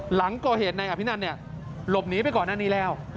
หลังก่อเหตุในอภินันเนี่ยหลบหนีไปก่อนหน้านี้แล้ว